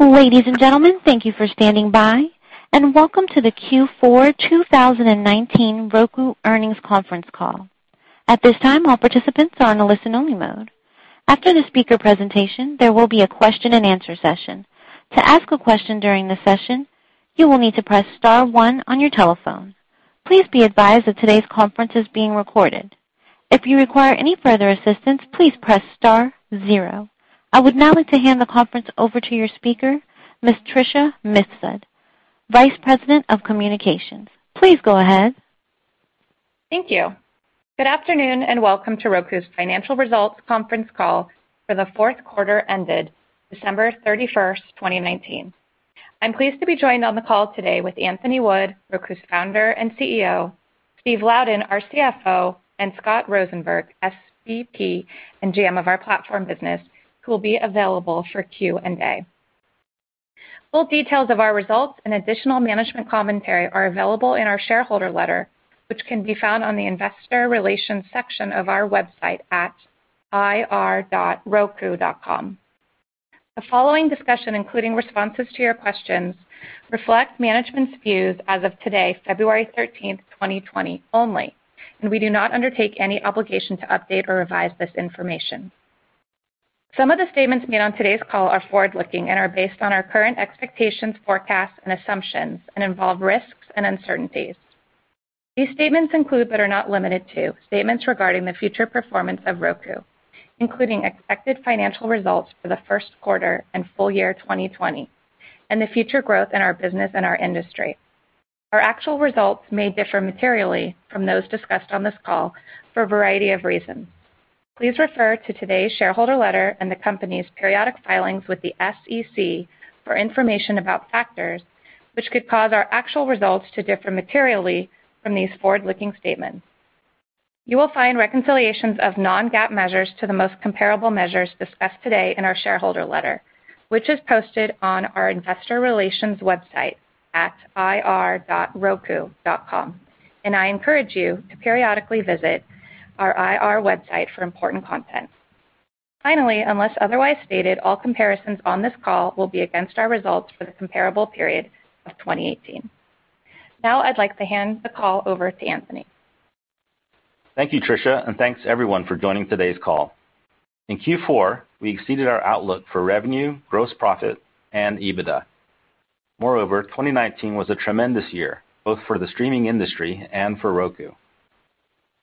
Ladies and gentlemen, thank you for standing by, and welcome to the Q4 2019 Roku earnings conference call. At this time, all participants are on a listen only mode. After the speaker presentation, there will be a question and answer session. To ask a question during the session, you will need to press star one on your telephone. Please be advised that today's conference is being recorded. If you require any further assistance, please press star zero. I would now like to hand the conference over to your speaker, Ms. Tricia Mifsud, Vice President of Communications. Please go ahead. Thank you. Good afternoon, and welcome to Roku's Financial Results Conference Call for the fourth quarter ended December 31st, 2019. I'm pleased to be joined on the call today with Anthony Wood, Roku's Founder and CEO, Steve Louden, our CFO, and Scott Rosenberg, SVP and GM of our Platform Business, who will be available for Q&A. Full details of our results and additional management commentary are available in our shareholder letter, which can be found on the investor relations section of our website at ir.roku.com. The following discussion, including responses to your questions, reflects management's views as of today, February 13th, 2020 only, and we do not undertake any obligation to update or revise this information. Some of the statements made on today's call are forward-looking and are based on our current expectations, forecasts, and assumptions, and involve risks and uncertainties. These statements include but are not limited to, statements regarding the future performance of Roku, including expected financial results for the first quarter and full year 2020 and the future growth in our business and our industry. Our actual results may differ materially from those discussed on this call for a variety of reasons. Please refer to today's shareholder letter and the company's periodic filings with the SEC for information about factors which could cause our actual results to differ materially from these forward-looking statements. You will find reconciliations of non-GAAP measures to the most comparable measures discussed today in our shareholder letter, which is posted on our investor relations website at ir.roku.com, and I encourage you to periodically visit our IR website for important content. Finally, unless otherwise stated, all comparisons on this call will be against our results for the comparable period of 2018. Now I'd like to hand the call over to Anthony. Thank you, Tricia, and thanks, everyone, for joining today's call. In Q4, we exceeded our outlook for revenue, gross profit, and EBITDA. Moreover, 2019 was a tremendous year, both for the streaming industry and for Roku.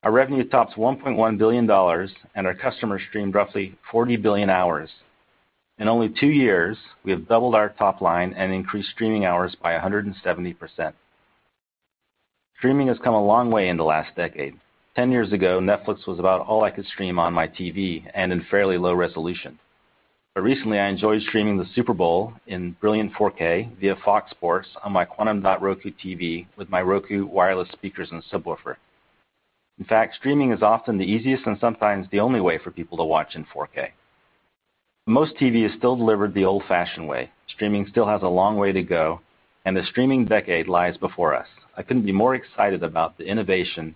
Our revenue tops $1.1 billion, and our customers streamed roughly 40 billion hours. In only two years, we have doubled our top line and increased streaming hours by 170%. Streaming has come a long way in the last decade. Ten years ago, Netflix was about all I could stream on my TV and in fairly low resolution. Recently, I enjoyed streaming the Super Bowl in brilliant 4K via Fox Sports on my Quantum Dot Roku TV with my Roku wireless speakers and subwoofer. In fact, streaming is often the easiest and sometimes the only way for people to watch in 4K. Most TV is still delivered the old-fashioned way. Streaming still has a long way to go, and a streaming decade lies before us. I couldn't be more excited about the innovation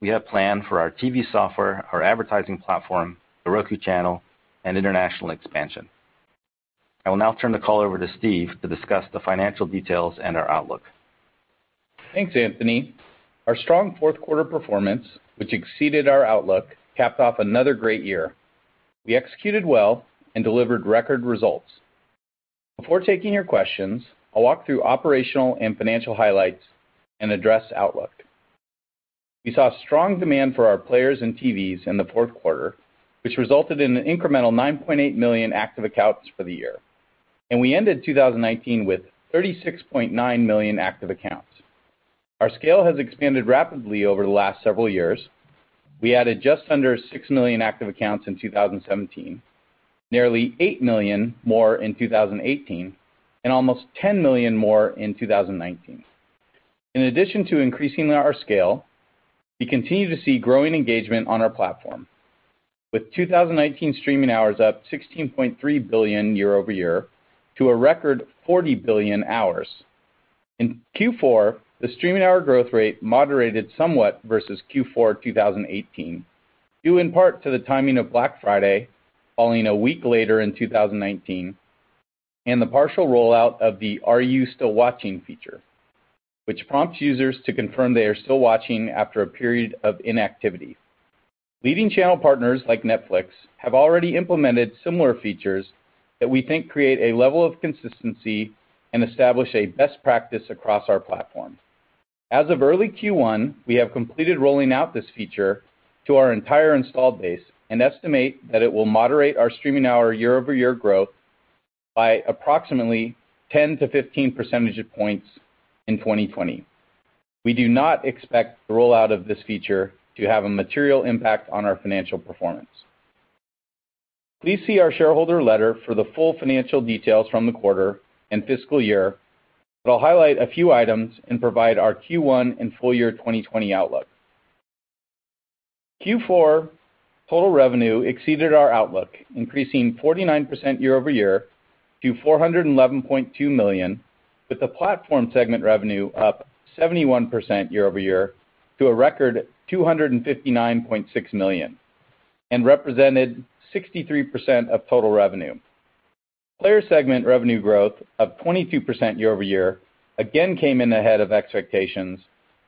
we have planned for our TV software, our advertising platform, The Roku Channel, and international expansion. I will now turn the call over to Steve to discuss the financial details and our outlook. Thanks, Anthony. Our strong fourth quarter performance, which exceeded our outlook, capped off another great year. We executed well and delivered record results. Before taking your questions, I'll walk through operational and financial highlights and address outlook. We saw strong demand for our players and TVs in the fourth quarter, which resulted in an incremental 9.8 million active accounts for the year. We ended 2019 with 36.9 million active accounts. Our scale has expanded rapidly over the last several years. We added just under 6 million active accounts in 2017, nearly 8 million more in 2018, and almost 10 million more in 2019. In addition to increasing our scale, we continue to see growing engagement on our platform. With 2019 streaming hours up 16.3 billion year-over-year to a record 40 billion hours. In Q4, the streaming hour growth rate moderated somewhat versus Q4 2018, due in part to the timing of Black Friday falling 1 week later in 2019 and the partial rollout of the Are You Still Watching feature, which prompts users to confirm they are still watching after a period of inactivity. Leading channel partners like Netflix have already implemented similar features that we think create a level of consistency and establish a best practice across our platform. As of early Q1, we have completed rolling out this feature to our entire installed base and estimate that it will moderate our streaming hour year-over-year growth by approximately 10 to 15 percentage points in 2020. We do not expect the rollout of this feature to have a material impact on our financial performance. Please see our shareholder letter for the full financial details from the quarter and fiscal year, but I'll highlight a few items and provide our Q1 and full year 2020 outlook. Q4 total revenue exceeded our outlook, increasing 49% year-over-year to $411.2 million, with the Platform Segment revenue up 71% year-over-year to a record $259.6 million and represented 63% of total revenue. Player Segment revenue growth of 22% year-over-year again came in ahead of expectations,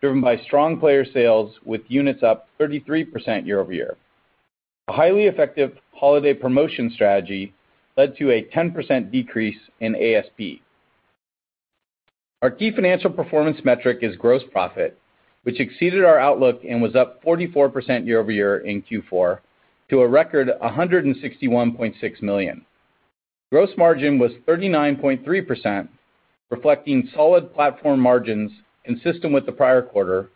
driven by strong player sales with units up 33% year-over-year. A highly effective holiday promotion strategy led to a 10% decrease in ASP. Our key financial performance metric is gross profit, which exceeded our outlook and was up 44% year-over-year in Q4 to a record $161.6 million. Gross margin was 39.3%, reflecting solid platform margins consistent with the prior quarter,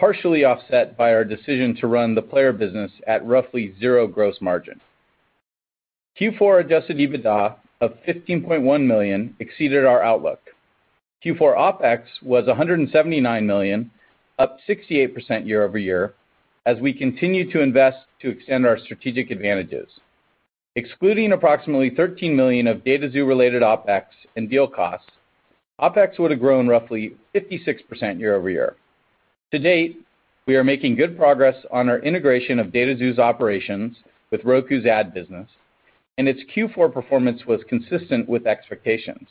partially offset by our decision to run the player business at roughly zero gross margin. Q4 adjusted EBITDA of $15.1 million exceeded our outlook. Q4 OpEx was $179 million, up 68% year-over-year, as we continued to invest to extend our strategic advantages. Excluding approximately $13 million of DataXu-related OpEx and deal costs, OpEx would have grown roughly 56% year-over-year. To date, we are making good progress on our integration of DataXu's operations with Roku's ad business, and its Q4 performance was consistent with expectations.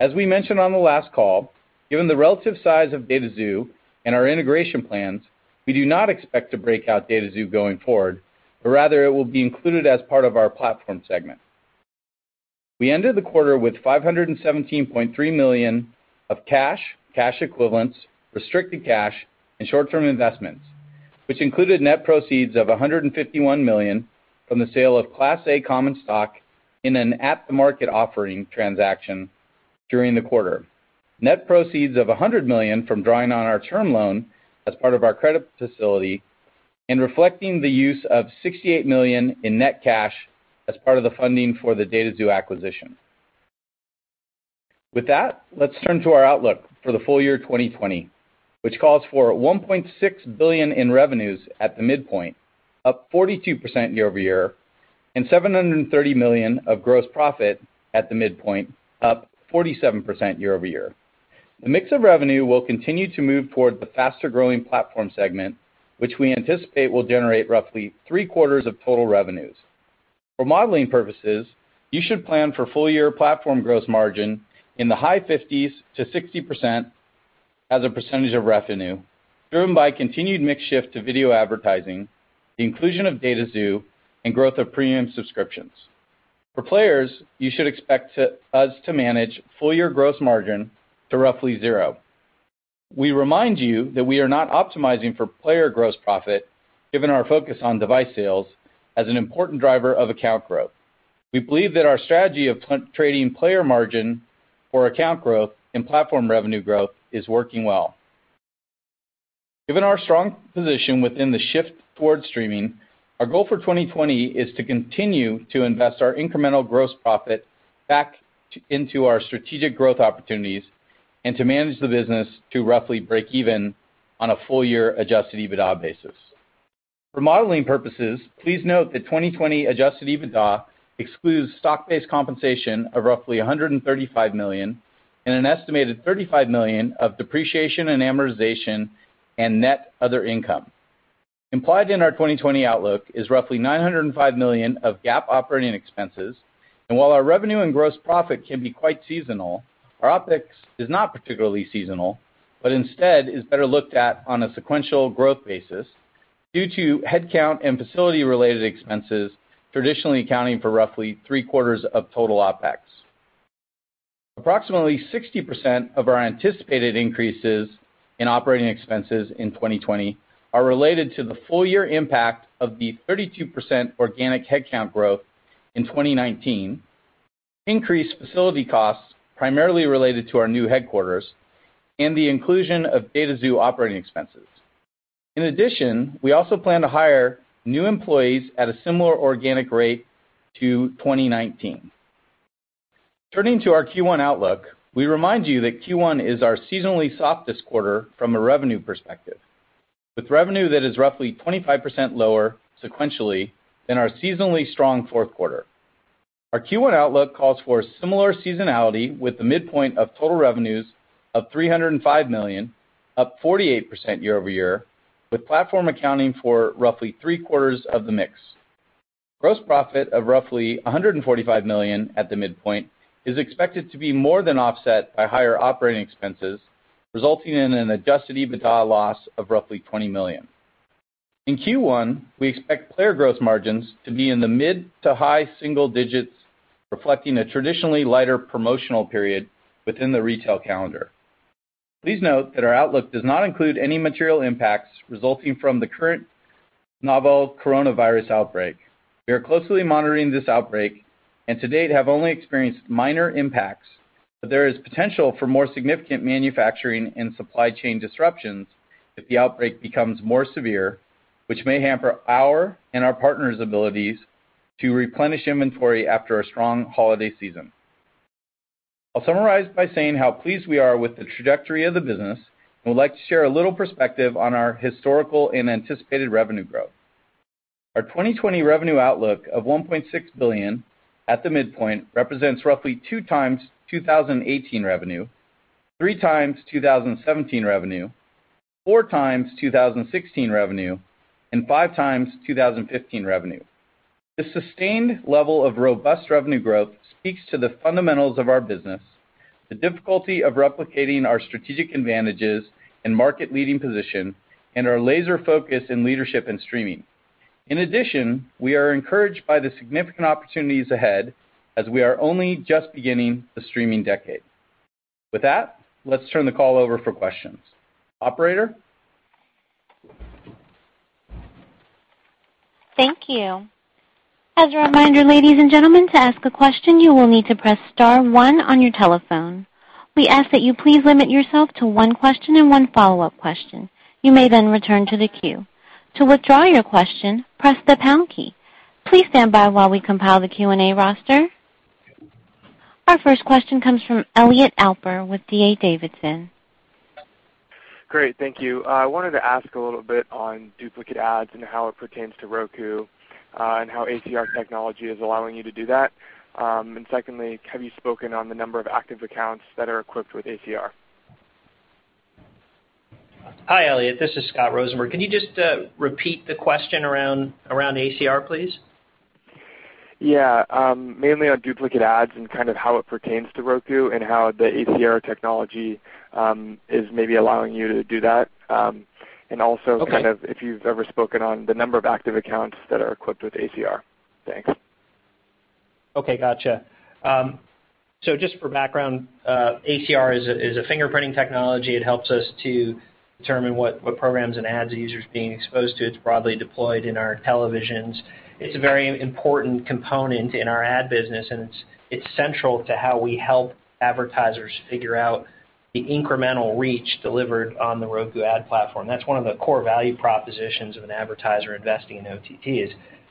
As we mentioned on the last call, given the relative size of DataXu and our integration plans, we do not expect to break out DataXu going forward, but rather it will be included as part of our platform segment. We ended the quarter with $517.3 million of cash equivalents, restricted cash, and short-term investments, which included net proceeds of $151 million from the sale of Class A common stock in an at-the-market offering transaction during the quarter. Net proceeds of $100 million from drawing on our term loan as part of our credit facility and reflecting the use of $68 million in net cash as part of the funding for the DataXu acquisition. With that, let's turn to our outlook for the full year 2020, which calls for $1.6 billion in revenues at the midpoint, up 42% year-over-year, and $730 million of gross profit at the midpoint, up 47% year-over-year. The mix of revenue will continue to move toward the faster-growing platform segment, which we anticipate will generate roughly three-quarters of total revenues. For modeling purposes, you should plan for full-year platform gross margin in the high 50%-60% as a percentage of revenue, driven by continued mix shift to video advertising, the inclusion of DataXu, and growth of premium subscriptions. For players, you should expect us to manage full-year gross margin to roughly zero. We remind you that we are not optimizing for player gross profit, given our focus on device sales as an important driver of account growth. We believe that our strategy of trading player margin for account growth and platform revenue growth is working well. Given our strong position within the shift towards streaming, our goal for 2020 is to continue to invest our incremental gross profit back into our strategic growth opportunities and to manage the business to roughly break even on a full-year adjusted EBITDA basis. For modeling purposes, please note that 2020 adjusted EBITDA excludes stock-based compensation of roughly $135 million and an estimated $35 million of depreciation and amortization and net other income. Implied in our 2020 outlook is roughly $905 million of GAAP operating expenses. While our revenue and gross profit can be quite seasonal, our OpEx is not particularly seasonal, but instead is better looked at on a sequential growth basis due to headcount and facility-related expenses traditionally accounting for roughly three-quarters of total OpEx. Approximately 60% of our anticipated increases in operating expenses in 2020 are related to the full-year impact of the 32% organic headcount growth in 2019, increased facility costs primarily related to our new headquarters, and the inclusion of DataXu operating expenses. In addition, we also plan to hire new employees at a similar organic rate to 2019. Turning to our Q1 outlook, we remind you that Q1 is our seasonally softest quarter from a revenue perspective, with revenue that is roughly 25% lower sequentially than our seasonally strong fourth quarter. Our Q1 outlook calls for similar seasonality with the midpoint of total revenues of $305 million, up 48% year-over-year, with platform accounting for roughly three-quarters of the mix. Gross profit of roughly $145 million at the midpoint is expected to be more than offset by higher operating expenses, resulting in an adjusted EBITDA loss of roughly $20 million. In Q1, we expect player gross margins to be in the mid to high single digits, reflecting a traditionally lighter promotional period within the retail calendar. Please note that our outlook does not include any material impacts resulting from the current novel coronavirus outbreak. We are closely monitoring this outbreak and to date have only experienced minor impacts, but there is potential for more significant manufacturing and supply chain disruptions if the outbreak becomes more severe, which may hamper our and our partners' abilities to replenish inventory after a strong holiday season. I'll summarize by saying how pleased we are with the trajectory of the business, and would like to share a little perspective on our historical and anticipated revenue growth. Our 2020 revenue outlook of $1.6 billion at the midpoint represents roughly 2x 2018 revenue. Three times 2017 revenue, four times 2016 revenue, and five times 2015 revenue. The sustained level of robust revenue growth speaks to the fundamentals of our business, the difficulty of replicating our strategic advantages and market leading position, and our laser focus in leadership and streaming. In addition, we are encouraged by the significant opportunities ahead as we are only just beginning the streaming decade. With that, let's turn the call over for questions. Operator? Thank you. As a reminder, ladies and gentlemen, to ask a question, you will need to press star one on your telephone. We ask that you please limit yourself to one question and one follow-up question. You may return to the queue. To withdraw your question, press the pound key. Please stand by while we compile the Q&A roster. Our first question comes from Elliot Alper with D.A. Davidson. Great. Thank you. I wanted to ask a little bit on duplicate ads and how it pertains to Roku, and how ACR technology is allowing you to do that? Secondly, have you spoken on the number of active accounts that are equipped with ACR? Hi, Elliot. This is Scott Rosenberg. Can you just repeat the question around ACR, please? Yeah. Mainly on duplicate ads and kind of how it pertains to Roku and how the ACR technology is maybe allowing you to do that. Okay kind of if you've ever spoken on the number of active accounts that are equipped with ACR? Thanks. Okay. Gotcha. Just for background, ACR is a fingerprinting technology. It helps us to determine what programs and ads a user is being exposed to. It's broadly deployed in our televisions. It's a very important component in our ad business, and it's central to how we help advertisers figure out the incremental reach delivered on the Roku ad platform. That's one of the core value propositions of an advertiser investing in OTT, is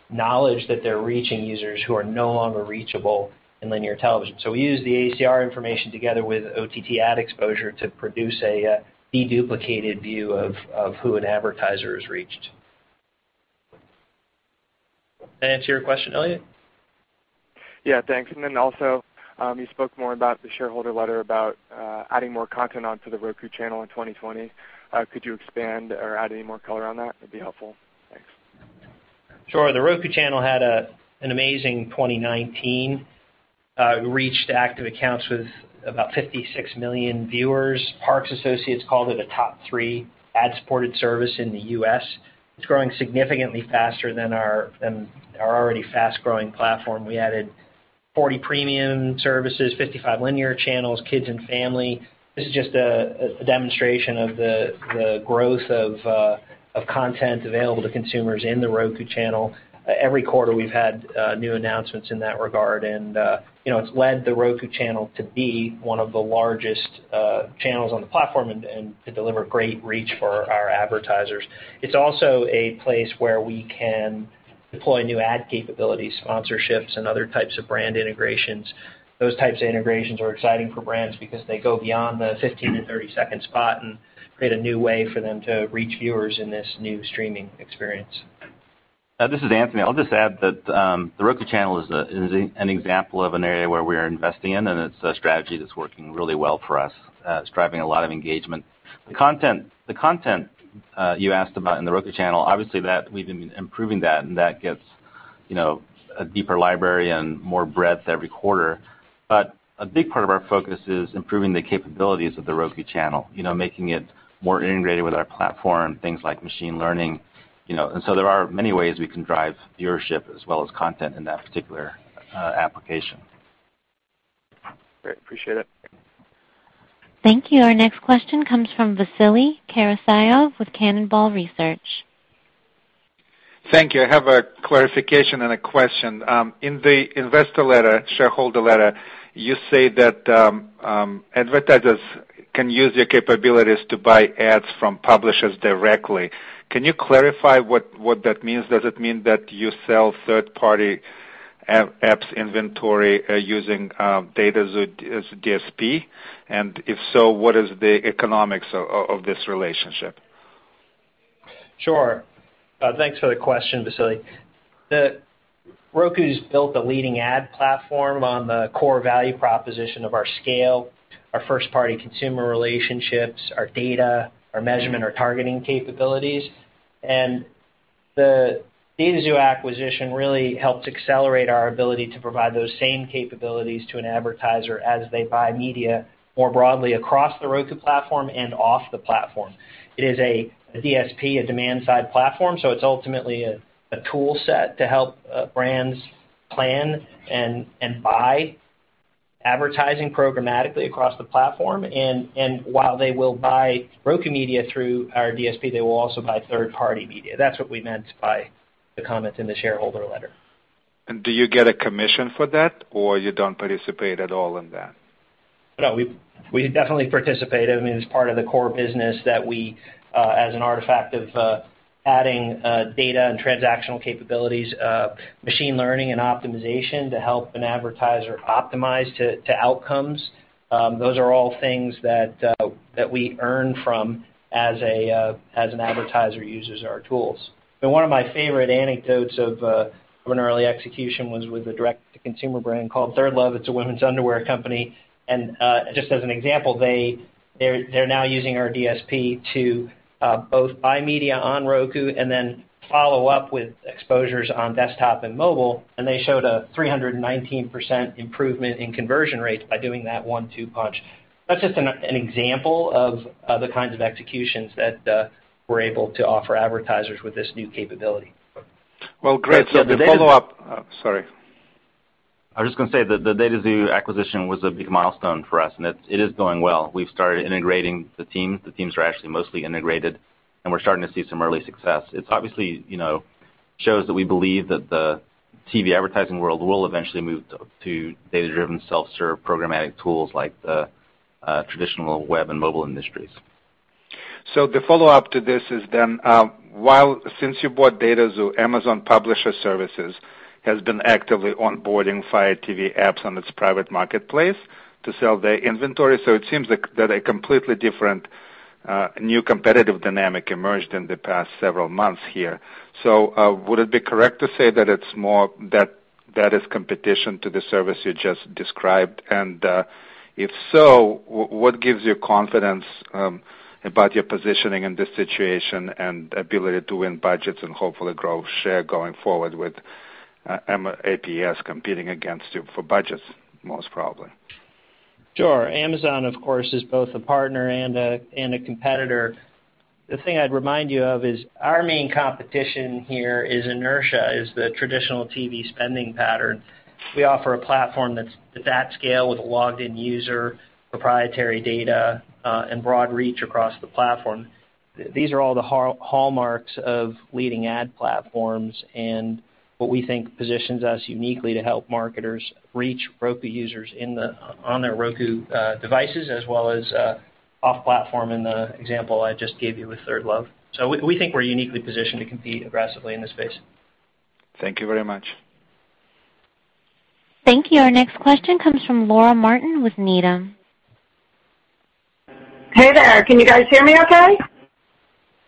knowledge that they're reaching users who are no longer reachable in linear television. We use the ACR information together with OTT ad exposure to produce a de-duplicated view of who an advertiser has reached. Did I answer your question, Elliot? Yeah, thanks. Also, you spoke more about the shareholder letter about adding more content onto The Roku Channel in 2020. Could you expand or add any more color on that? It'd be helpful. Thanks. Sure. The Roku Channel had an amazing 2019, reached active accounts with about 56 million viewers. Parks Associates called it a top 3 ad-supported service in the U.S. It's growing significantly faster than our already fast-growing platform. We added 40 premium services, 55 linear channels, kids and family. This is just a demonstration of the growth of content available to consumers in The Roku Channel. Every quarter we've had new announcements in that regard and it's led The Roku Channel to be one of the largest channels on the platform and to deliver great reach for our advertisers. It's also a place where we can deploy new ad capabilities, sponsorships, and other types of brand integrations. Those types of integrations are exciting for brands because they go beyond the 15 to 30-second spot and create a new way for them to reach viewers in this new streaming experience. This is Anthony. I'll just add that The Roku Channel is an example of an area where we're investing in, and it's a strategy that's working really well for us. It's driving a lot of engagement. The content you asked about in The Roku Channel, obviously we've been improving that and that gets a deeper library and more breadth every quarter. A big part of our focus is improving the capabilities of The Roku Channel. Making it more integrated with our platform, things like machine learning. There are many ways we can drive viewership as well as content in that particular application. Great. Appreciate it. Thank you. Our next question comes from Vasily Karasyov with Cannonball Research. Thank you. I have a clarification and a question. In the investor letter, shareholder letter, you say that advertisers can use your capabilities to buy ads from publishers directly. Can you clarify what that means? Does it mean that you sell third-party apps inventory using DataXu DSP? If so, what is the economics of this relationship? Sure. Thanks for the question, Vasily. Roku's built the leading ad platform on the core value proposition of our scale, our first-party consumer relationships, our data, our measurement, our targeting capabilities. The DataXu acquisition really helped accelerate our ability to provide those same capabilities to an advertiser as they buy media more broadly across the Roku platform and off the platform. It is a DSP, a demand side platform, so it's ultimately a tool set to help brands plan and buy advertising programmatically across the platform. While they will buy Roku media through our DSP, they will also buy third-party media. That's what we meant by the comments in the shareholder letter. Do you get a commission for that, or you don't participate at all in that? No, we definitely participate. I mean, it's part of the core business that we, as an artifact of adding data and transactional capabilities, machine learning and optimization to help an advertiser optimize to outcomes. Those are all things that we earn from as an advertiser uses our tools. One of my favorite anecdotes of an early execution was with a direct-to-consumer brand called ThirdLove. It's a women's underwear company. Just as an example, they're now using our DSP to both buy media on Roku and then follow up with exposures on desktop and mobile. They showed a 319% improvement in conversion rates by doing that one-two punch. That's just an example of the kinds of executions that we're able to offer advertisers with this new capability. Well, great. Oh, sorry. I was just going to say that the DataXu acquisition was a big milestone for us, and it is going well. We've started integrating the teams. The teams are actually mostly integrated, and we're starting to see some early success. It obviously shows that we believe that the TV advertising world will eventually move to data-driven, self-serve programmatic tools like the traditional web and mobile industries. The follow-up to this is then, since you bought DataXu, Amazon Publisher Services has been actively onboarding Fire TV apps on its private marketplace to sell their inventory. It seems that a completely different, new competitive dynamic emerged in the past several months here. Would it be correct to say that that is competition to the service you just described? If so, what gives you confidence about your positioning in this situation and ability to win budgets and hopefully grow share going forward with APS competing against you for budgets, most probably? Sure. Amazon, of course, is both a partner and a competitor. The thing I'd remind you of is our main competition here is inertia, is the traditional TV spending pattern. We offer a platform that's at that scale with a logged-in user, proprietary data, and broad reach across the platform. These are all the hallmarks of leading ad platforms and what we think positions us uniquely to help marketers reach Roku users on their Roku devices, as well as off-platform in the example I just gave you with ThirdLove. We think we're uniquely positioned to compete aggressively in this space. Thank you very much. Thank you. Our next question comes from Laura Martin with Needham. Hey there. Can you guys hear me okay?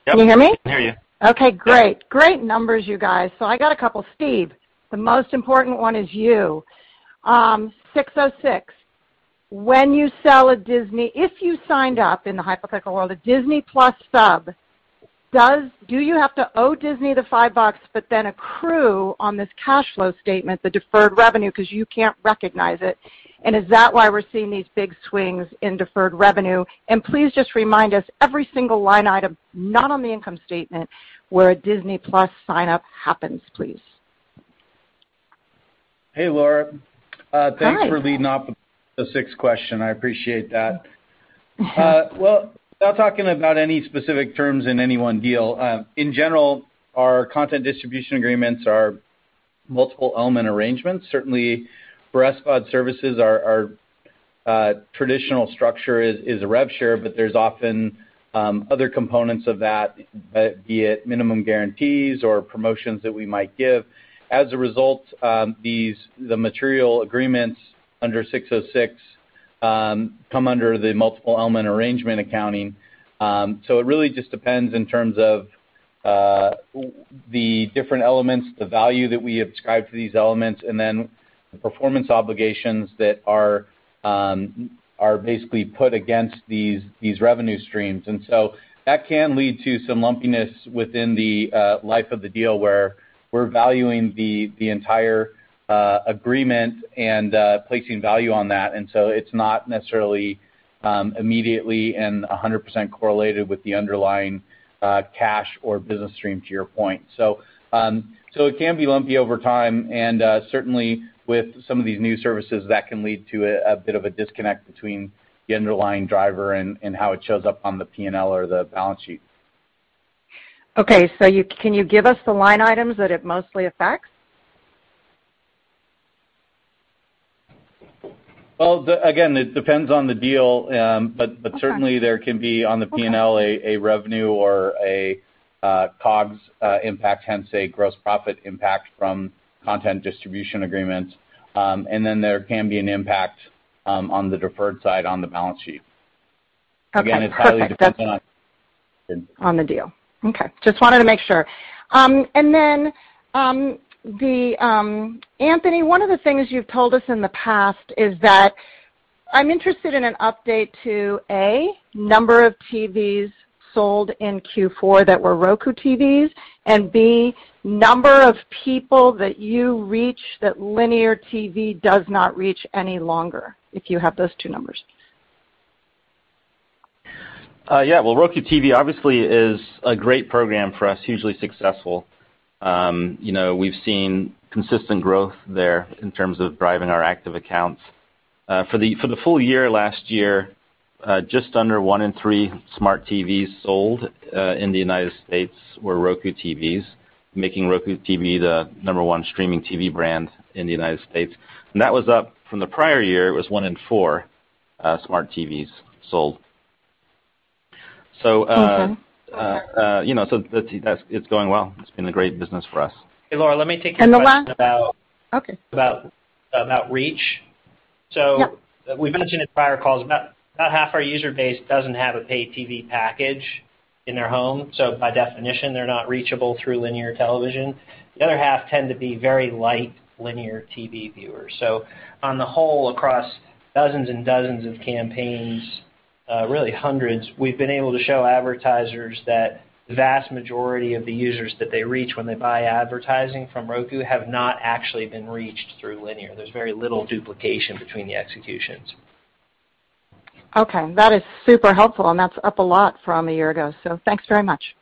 Yep. Can you hear me? We can hear you. Great. Great numbers, you guys. I got a couple. Steve, the most important one is you. ASC 606. If you signed up, in the hypothetical world, a Disney+ sub, do you have to owe Disney the $5 but then accrue on this cash flow statement, the deferred revenue, because you can't recognize it? Is that why we're seeing these big swings in deferred revenue? Please just remind us every single line item not on the income statement where a Disney+ sign-up happens, please. Hey, Laura. Hi. Thanks for leading off with the ASC 606. I appreciate that. Without talking about any specific terms in any one deal, in general, our content distribution agreements are multiple element arrangements. Certainly for SVOD services, our traditional structure is a rev share, but there's often other components of that, be it minimum guarantees or promotions that we might give. As a result, the material agreements under ASC 606 come under the multiple element arrangement accounting. It really just depends in terms of the different elements, the value that we ascribe to these elements, and then the performance obligations that are basically put against these revenue streams. That can lead to some lumpiness within the life of the deal where we're valuing the entire agreement and placing value on that. It's not necessarily immediately and 100% correlated with the underlying cash or business stream, to your point. It can be lumpy over time and, certainly with some of these new services, that can lead to a bit of a disconnect between the underlying driver and how it shows up on the P&L or the balance sheet. Okay. Can you give us the line items that it mostly affects? Well, again, it depends on the deal. Okay. Certainly there can be on the P&L. Okay a revenue or a COGS impact, hence a gross profit impact from content distribution agreements. There can be an impact on the deferred side on the balance sheet. Okay, perfect. Again, it's highly dependent on. On the deal. Okay. Just wanted to make sure. Anthony, one of the things you've told us in the past is that I'm interested in an update to, A, number of TVs sold in Q4 that were Roku TVs, and B, number of people that you reach that linear TV does not reach any longer, if you have those two numbers. Well, Roku TV obviously is a great program for us, hugely successful. We've seen consistent growth there in terms of driving our active accounts. For the full year last year, just under 1 in 3 smart TVs sold in the U.S. were Roku TVs, making Roku TV the number one streaming TV brand in the U.S. That was up from the prior year, it was 1 in 4 smart TVs sold. Okay. It's going well. It's been a great business for us. Hey, Laura, let me take a question about. Okay about reach. Yep. We've mentioned in prior calls, about half our user base doesn't have a paid TV package in their home. By definition, they're not reachable through linear television. The other half tend to be very light linear TV viewers. On the whole, across dozens and dozens of campaigns, really hundreds, we've been able to show advertisers that the vast majority of the users that they reach when they buy advertising from Roku have not actually been reached through linear. There's very little duplication between the executions. Okay. That is super helpful, and that's up a lot from a year ago, so thanks very much.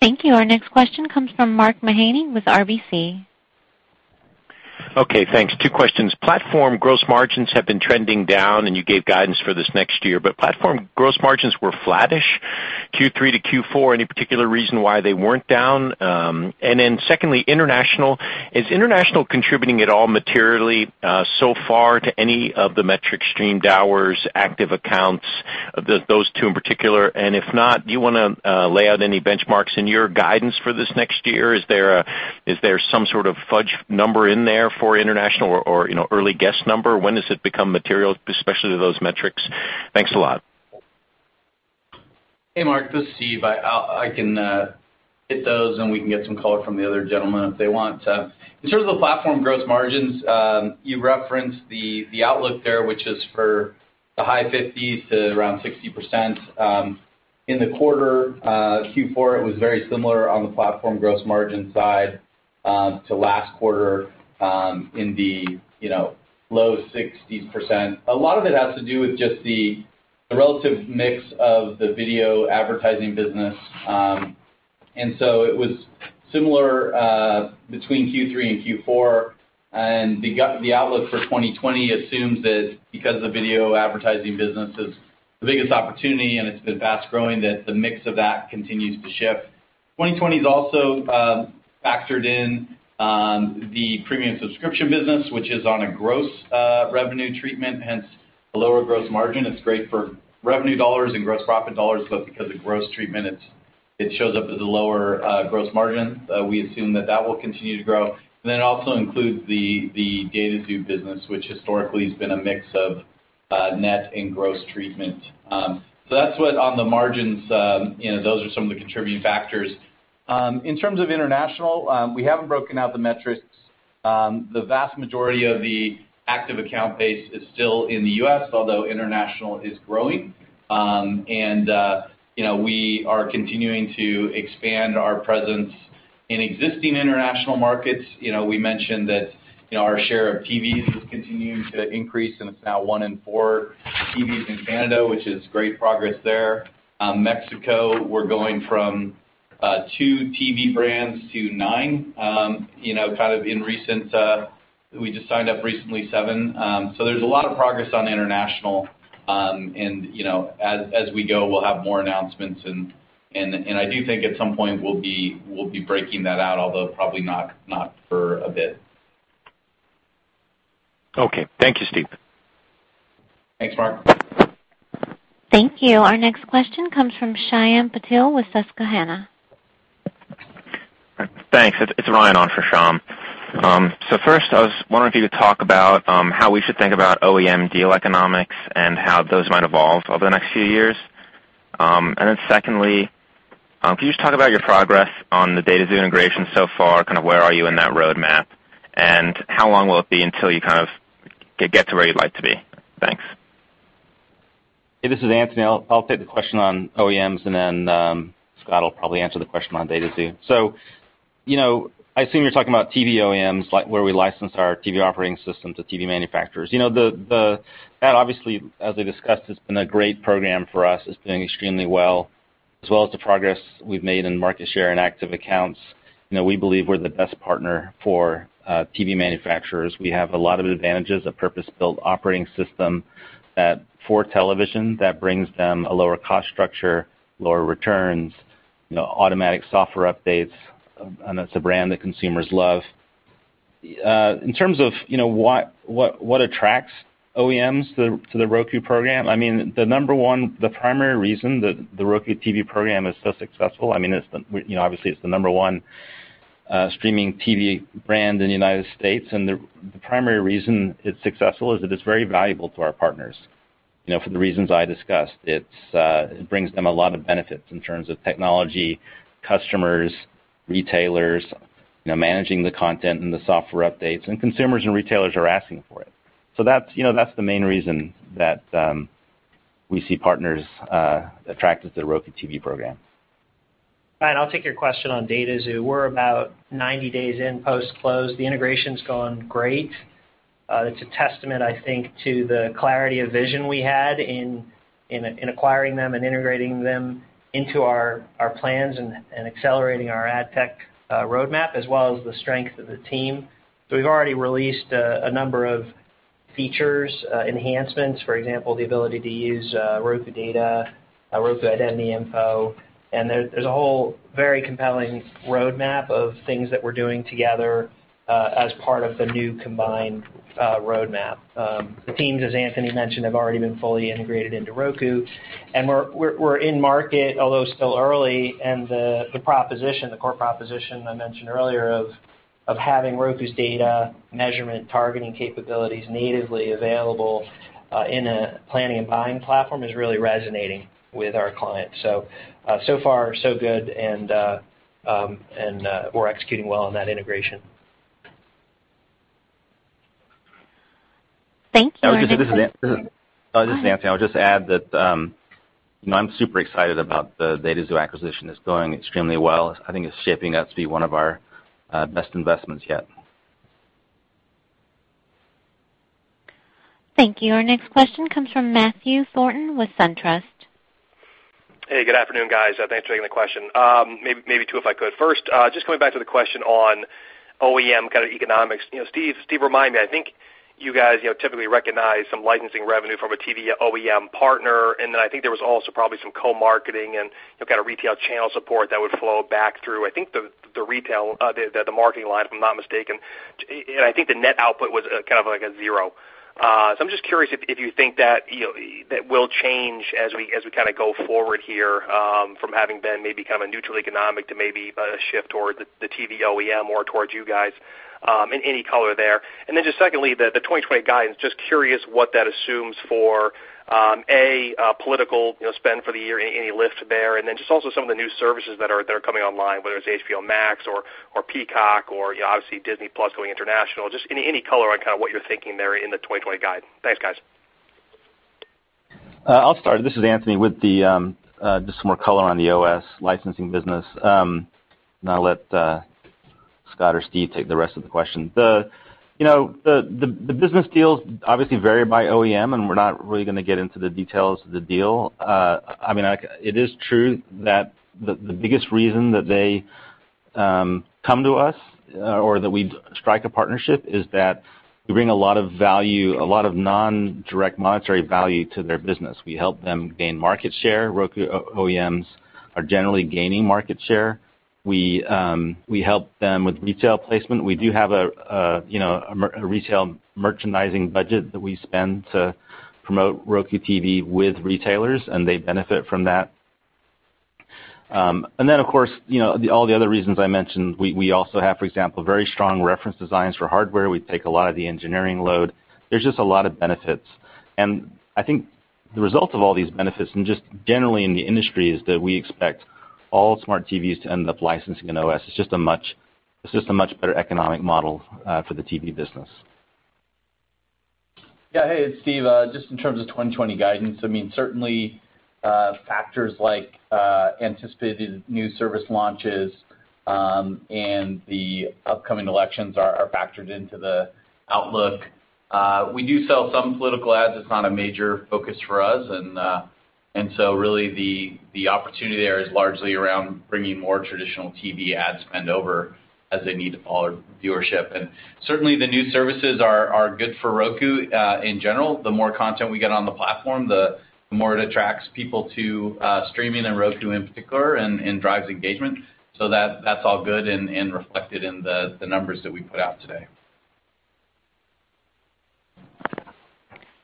Thank you. Our next question comes from Mark Mahaney with RBC. Okay, thanks. Two questions. Platform gross margins have been trending down, and you gave guidance for this next year, but platform gross margins were flattish Q3 to Q4. Any particular reason why they weren't down? Secondly, international. Is international contributing at all materially so far to any of the metric streamed hours, active accounts, those two in particular? If not, do you want to lay out any benchmarks in your guidance for this next year? Is there some sort of fudge number in there for international or early guess number? When does it become material, especially to those metrics? Thanks a lot. Hey, Mark, this is Steve. I can hit those, and we can get some color from the other gentlemen if they want. In terms of the platform gross margins, you referenced the outlook there, which is for the high 50s to around 60%. In the quarter, Q4, it was very similar on the platform gross margin side to last quarter, in the low 60s%. A lot of it has to do with just the relative mix of the video advertising business. It was similar between Q3 and Q4, and the outlook for 2020 assumes that because the video advertising business is the biggest opportunity and it's been fast-growing, that the mix of that continues to shift. 2020 has also factored in the premium subscription business, which is on a gross revenue treatment, hence the lower gross margin. It's great for revenue dollars and gross profit dollars, but because of gross treatment, it shows up as a lower gross margin. We assume that that will continue to grow. It also includes the DataXu business, which historically has been a mix of net and gross treatment. That's what, on the margins, those are some of the contributing factors. In terms of international, we haven't broken out the metrics. The vast majority of the active account base is still in the U.S., although international is growing. We are continuing to expand our presence in existing international markets. We mentioned that our share of TVs is continuing to increase, and it's now 1 in 4 TVs in Canada, which is great progress there. Mexico, we're going from two TV brands to nine. We just signed up seven recently. There's a lot of progress on international, and as we go, we'll have more announcements. I do think at some point, we'll be breaking that out, although probably not for a bit. Okay. Thank you, Steve. Thanks, Mark. Thank you. Our next question comes from Shyam Patil with Susquehanna. Thanks. It's Ryan on for Shyam. First, I was wondering if you could talk about how we should think about OEM deal economics and how those might evolve over the next few years. Secondly, can you just talk about your progress on the DataXu integration so far, kind of where are you in that roadmap, and how long will it be until you kind of get to where you'd like to be? Thanks. Hey, this is Anthony. I'll take the question on OEMs, and then Scott will probably answer the question on DataXu. I assume you're talking about TV OEMs, like where we license our TV operating system to TV manufacturers. That obviously, as I discussed, has been a great program for us. It's doing extremely well, as well as the progress we've made in market share and active accounts. We believe we're the best partner for TV manufacturers. We have a lot of advantages, a purpose-built operating system for television that brings them a lower cost structure, lower returns, automatic software updates, and it's a brand that consumers love. In terms of what attracts OEMs to the Roku program, I mean, the number one, the primary reason that the Roku TV program is so successful, I mean, obviously, it's the number one streaming TV brand in the United States, and the primary reason it's successful is that it's very valuable to our partners. For the reasons I discussed. It brings them a lot of benefits in terms of technology, customers, retailers, managing the content and the software updates, and consumers and retailers are asking for it. That's the main reason that we see partners attracted to the Roku TV program. Ryan, I'll take your question on DataXu. We're about 90 days in post-close. The integration's gone great. It's a testament, I think, to the clarity of vision we had. In acquiring them and integrating them into our plans and accelerating our ad tech roadmap, as well as the strength of the team. We've already released a number of features, enhancements, for example, the ability to use Roku data, Roku identity info, and there's a whole very compelling roadmap of things that we're doing together as part of the new combined roadmap. The teams, as Anthony mentioned, have already been fully integrated into Roku, and we're in market, although still early, and the core proposition I mentioned earlier of having Roku's data measurement, targeting capabilities natively available in a planning and buying platform is really resonating with our clients. So far so good, and we're executing well on that integration. Thank you. Our next question- This is Anthony. Go ahead. I would just add that I'm super excited about the DataXu acquisition. It's going extremely well. I think it's shaping up to be one of our best investments yet. Thank you. Our next question comes from Matthew Thornton with SunTrust. Hey, good afternoon, guys. Thanks for taking the question. Maybe two, if I could. First, just coming back to the question on OEM kind of economics. Steve reminded me, I think you guys typically recognize some licensing revenue from a TV OEM partner, and then I think there was also probably some co-marketing and kind of retail channel support that would flow back through, I think, the marketing line, if I'm not mistaken. I think the net output was kind of like a zero. I'm just curious if you think that will change as we kind of go forward here from having been maybe kind of a neutral economic to maybe a shift toward the TV OEM or towards you guys, and any color there. Secondly, the 2020 guidance, just curious what that assumes for, A, political spend for the year, any lift there, and then just also some of the new services that are coming online, whether it's HBO Max or Peacock or obviously Disney+ going international. Just any color on kind of what you're thinking there in the 2020 guide. Thanks, guys. I'll start. This is Anthony with just some more color on the OS licensing business. I'll let Scott or Steve take the rest of the question. The business deals obviously vary by OEM. We're not really going to get into the details of the deal. It is true that the biggest reason that they come to us or that we strike a partnership is that we bring a lot of value, a lot of non-direct monetary value to their business. We help them gain market share. Roku OEMs are generally gaining market share. We help them with retail placement. We do have a retail merchandising budget that we spend to promote Roku TV with retailers. They benefit from that. Of course, all the other reasons I mentioned. We also have, for example, very strong reference designs for hardware. We take a lot of the engineering load. There's just a lot of benefits. I think the result of all these benefits, and just generally in the industry, is that we expect all smart TVs to end up licensing an OS. It's just a much better economic model for the TV business. Yeah. Hey, it's Steve. Just in terms of 2020 guidance, certainly factors like anticipated new service launches and the upcoming elections are factored into the outlook. We do sell some political ads. It's not a major focus for us. Really the opportunity there is largely around bringing more traditional TV ad spend over as they need to follow viewership. Certainly the new services are good for Roku in general. The more content we get on the platform, the more it attracts people to streaming and Roku in particular and drives engagement. That's all good and reflected in the numbers that we put out today.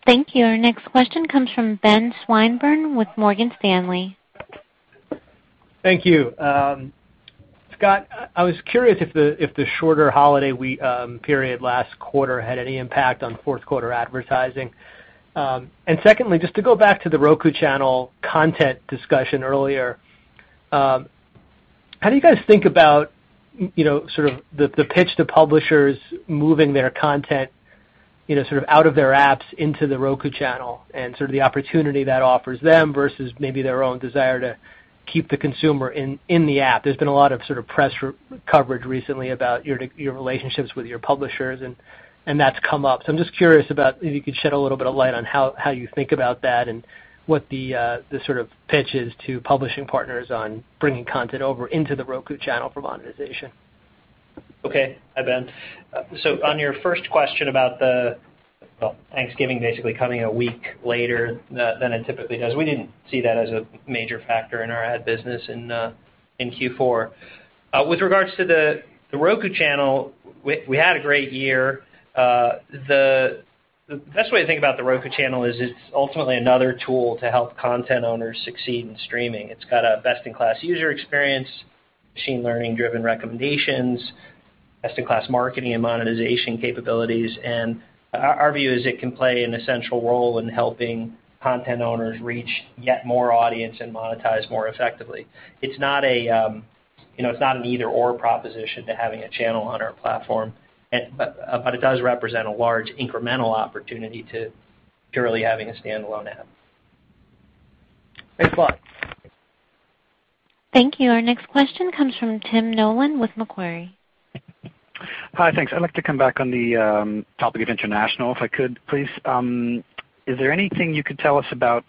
Thank you. Our next question comes from Ben Swinburne with Morgan Stanley. Thank you. Scott, I was curious if the shorter holiday period last quarter had any impact on fourth quarter advertising. Secondly, just to go back to The Roku Channel content discussion earlier, how do you guys think about sort of the pitch to publishers moving their content sort of out of their apps into The Roku Channel and sort of the opportunity that offers them versus maybe their own desire to keep the consumer in the app? There's been a lot of sort of press coverage recently about your relationships with your publishers and that's come up. I'm just curious about if you could shed a little bit of light on how you think about that and what the sort of pitch is to publishing partners on bringing content over into The Roku Channel for monetization. Okay. Hi, Ben. On your first question about Thanksgiving basically coming a week later than it typically does, we didn't see that as a major factor in our ad business in Q4. With regards to The Roku Channel, we had a great year. The best way to think about The Roku Channel is it's ultimately another tool to help content owners succeed in streaming. It's got a best-in-class user experience, machine learning-driven recommendations, best-in-class marketing and monetization capabilities, and our view is it can play an essential role in helping content owners reach yet more audience and monetize more effectively. It's not an either/or proposition to having a channel on our platform, but it does represent a large incremental opportunity to purely having a standalone app. Thanks a lot. Thank you. Our next question comes from Tim Nollen with Macquarie. Hi, thanks. I'd like to come back on the topic of international, if I could, please. Is there anything you could tell us about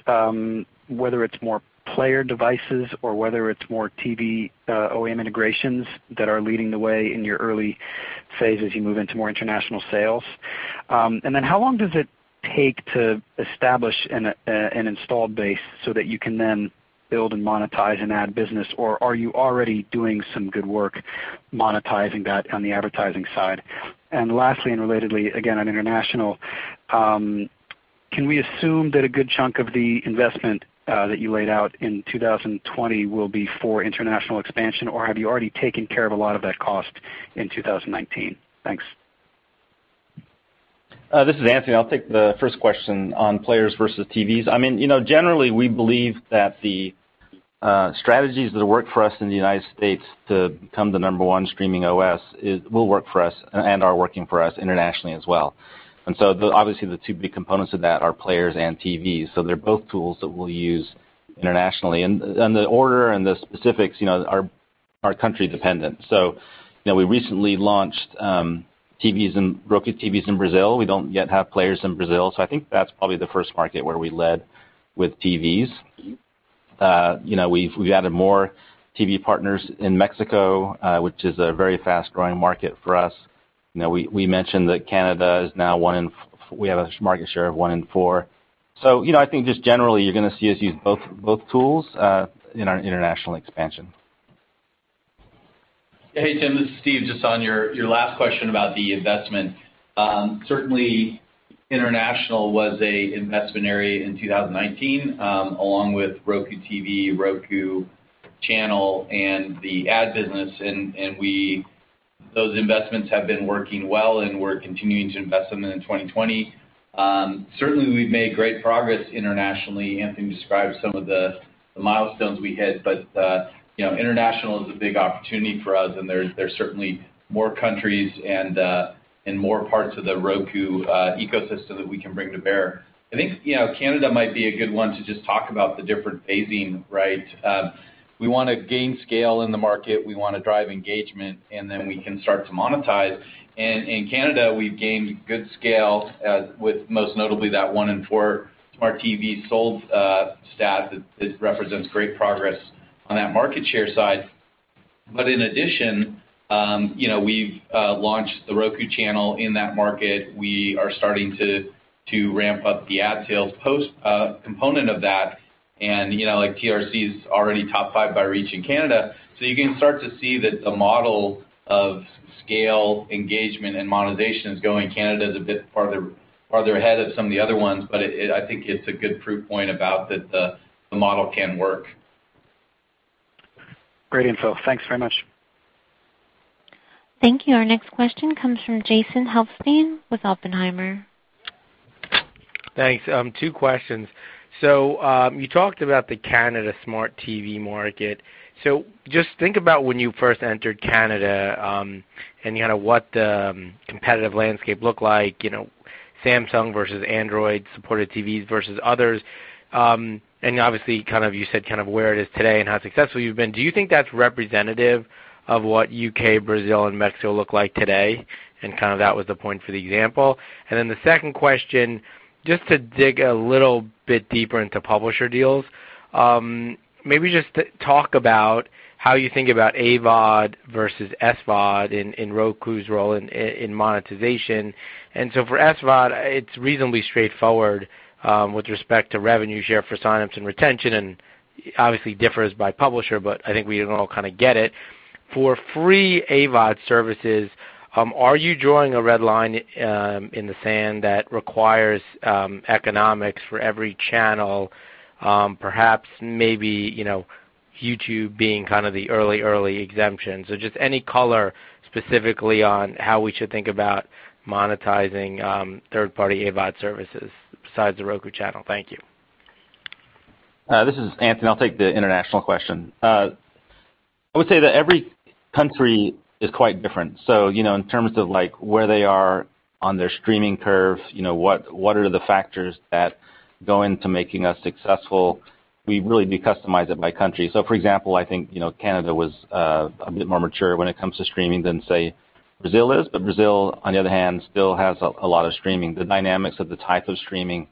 whether it's more player devices or whether it's more TV OEM integrations that are leading the way in your early phase as you move into more international sales? How long does it take to establish an install base so that you can then build and monetize an ad business? Are you already doing some good work monetizing that on the advertising side? Lastly, and relatedly, again, on international, can we assume that a good chunk of the investment that you laid out in 2020 will be for international expansion? Have you already taken care of a lot of that cost in 2019? Thanks. This is Anthony. I'll take the first question on players versus TVs. Generally, we believe that the strategies that work for us in the U.S. to become the number 1 streaming OS will work for us and are working for us internationally as well. Obviously the two big components of that are players and TVs. They're both tools that we'll use internationally, and the order and the specifics are country-dependent. We recently launched Roku TVs in Brazil. We don't yet have players in Brazil, I think that's probably the first market where we led with TVs. We've added more TV partners in Mexico, which is a very fast-growing market for us. We mentioned that Canada, we have a market share of 1 in 4. I think just generally, you're going to see us use both tools in our international expansion. Hey, Tim, this is Steve. Just on your last question about the investment. International was an investment area in 2019, along with Roku TV, The Roku Channel, and the ad business. Those investments have been working well, and we're continuing to invest in them in 2020. We've made great progress internationally. Anthony described some of the milestones we hit. International is a big opportunity for us, and there's certainly more countries and more parts of the Roku ecosystem that we can bring to bear. I think Canada might be a good one to just talk about the different phasing. We want to gain scale in the market, we want to drive engagement, then we can start to monetize. In Canada, we've gained good scale, with most notably that one in four Smart TV sold stat that represents great progress on that market share side. In addition, we've launched The Roku Channel in that market. We are starting to ramp up the ad sales post component of that. The TRC is already top 5 by reach in Canada. You can start to see that the model of scale engagement and monetization is going. Canada's a bit farther ahead of some of the other ones, but I think it's a good proof point about that the model can work. Great info. Thanks very much. Thank you. Our next question comes from Jason Helfstein with Oppenheimer. Thanks. Two questions. You talked about the Canada Smart TV market. Just think about when you first entered Canada, and what the competitive landscape looked like, Samsung versus Android-supported TVs versus others. Obviously, you said where it is today and how successful you've been. Do you think that's representative of what U.K., Brazil, and Mexico look like today? That was the point for the example. Then the second question, just to dig a little bit deeper into publisher deals. Maybe just talk about how you think about AVOD versus SVOD in Roku's role in monetization. For SVOD, it's reasonably straightforward, with respect to revenue share for sign-ups and retention, and obviously differs by publisher, but I think we can all kind of get it. For free AVOD services, are you drawing a red line in the sand that requires economics for every channel? Perhaps, maybe, YouTube being kind of the early exemption. Just any color specifically on how we should think about monetizing third-party AVOD services besides The Roku Channel. Thank you. This is Anthony. I'll take the international question. I would say that every country is quite different. In terms of where they are on their streaming curve, what are the factors that go into making us successful? We really de-customize it by country. For example, I think Canada was a bit more mature when it comes to streaming than, say, Brazil is. Brazil, on the other hand, still has a lot of streaming. The dynamics of the type of streaming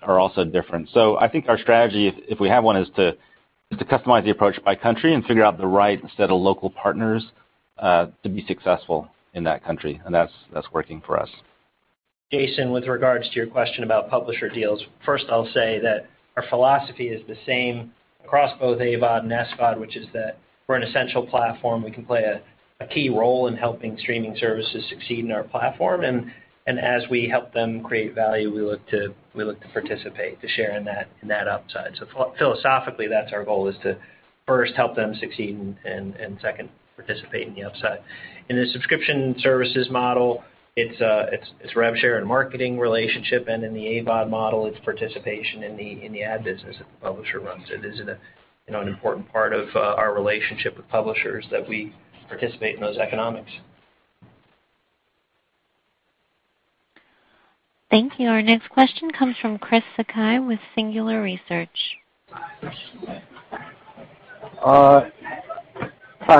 are also different. I think our strategy, if we have one, is to customize the approach by country and figure out the right set of local partners to be successful in that country, and that's working for us. Jason, with regards to your question about publisher deals, first I'll say that our philosophy is the same across both AVOD and SVOD, which is that we're an essential platform. We can play a key role in helping streaming services succeed in our platform. As we help them create value, we look to participate, to share in that upside. Philosophically, that's our goal is to first help them succeed and second, participate in the upside. In the subscription services model, it's rev share and marketing relationship, and in the AVOD model, it's participation in the ad business that the publisher runs. It is an important part of our relationship with publishers that we participate in those economics. Thank you. Our next question comes from Chris Sakai with Singular Research. Hi,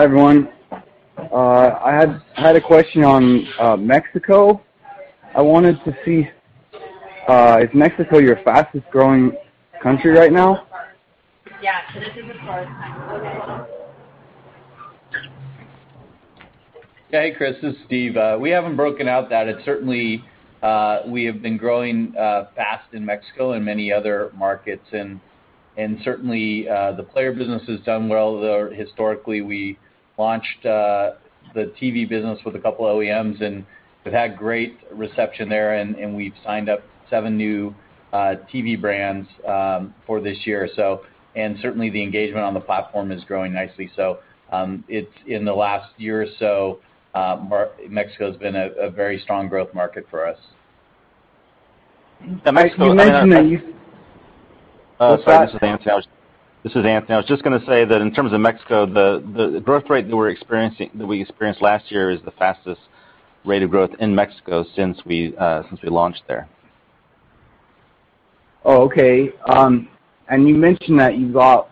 everyone. I had a question on Mexico. I wanted to see, is Mexico your fastest-growing country right now? Yeah. Hey, Chris. This is Steve. We haven't broken out that. Certainly, we have been growing fast in Mexico and many other markets, certainly, the player business has done well there historically. We launched the TV business with a couple of OEMs, we've had great reception there, we've signed up seven new TV brands for this year. Certainly, the engagement on the platform is growing nicely. In the last year or so, Mexico has been a very strong growth market for us. You mentioned that you. What's that? This is Anthony. I was just going to say that in terms of Mexico, the growth rate that we experienced last year is the fastest rate of growth in Mexico since we launched there. Oh, okay. You mentioned that you got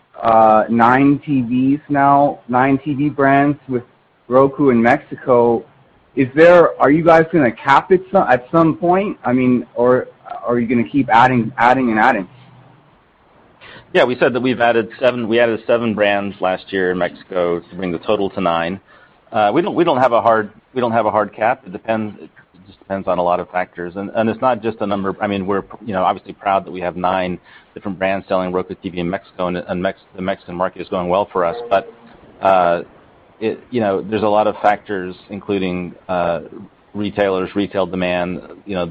nine TVs now, nine TV brands with Roku in Mexico. Are you guys going to cap it at some point? Are you going to keep adding and adding? Yeah. We said that we added seven brands last year in Mexico to bring the total to nine. We don't have a hard cap. It just depends on a lot of factors. It's not just a number. We're obviously proud that we have nine different brands selling Roku TV in Mexico, and the Mexican market is going well for us. There's a lot of factors, including retailers, retail demand,